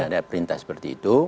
ada perintah seperti itu